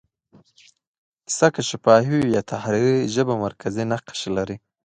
کیسه که شفاهي وي یا تحریري، ژبه مرکزي نقش لري.